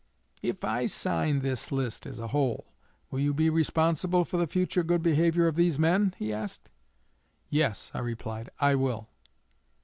'If I sign this list as a whole, will you be responsible for the future good behavior of these men?' he asked. 'Yes,' I replied, 'I will.'